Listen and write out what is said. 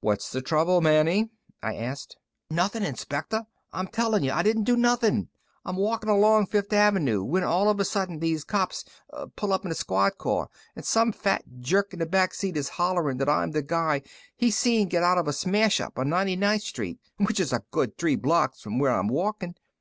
"What's the trouble, Manny?" I asked. "Nothing, Inspector; I'm telling you, I didn't do nothing. I'm walking along Fifth Avenoo when all of a sudden these cops pull up in a squad car and some fat jerk in the back seat is hollering that I am the guy he seen get out of a smashup on 99th Street, which is a good three blocks from where I am walking.